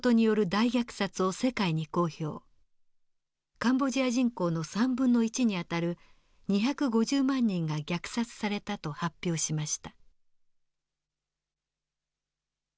カンボジア人口の３分の１にあたる２５０万人が虐殺されたと発表しました。